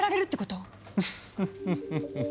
ウフフフフ。